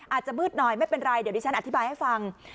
อาจจะมืดหน่อยไม่เป็นไรเดี๋ยวดิฉันอธิบายให้ฟัง